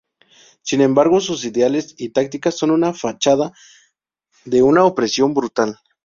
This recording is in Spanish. Sin embargo, sus ideales y tácticas son una fachada de una opresión brutal.